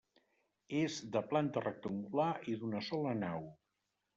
És de planta rectangular i d'una sola nau.